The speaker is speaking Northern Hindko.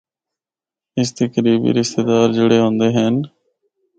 اس دے قریبی رشتہ دار جِڑے ہوندے ہن۔